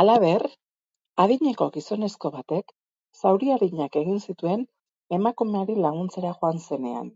Halaber, adineko gizonezko batek zauri arinak egin zituen emakumeari laguntzera joan zenean.